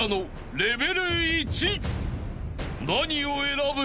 ［何を選ぶ？］